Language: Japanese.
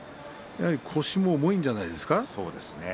腰も重いんじゃないですか。